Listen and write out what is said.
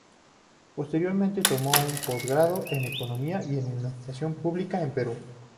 Posteriormente, tomó un posgrado en Economía y Administración Pública en Perú.